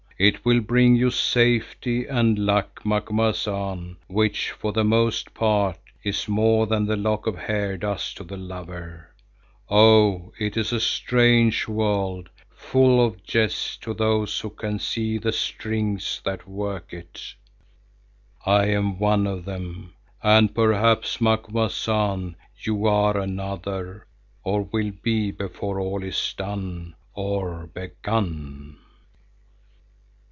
It will bring you safety and luck, Macumazahn, which, for the most part, is more than the lock of hair does to the lover. Oh! it is a strange world, full of jest to those who can see the strings that work it. I am one of them, and perhaps, Macumazahn, you are another, or will be before all is done—or begun.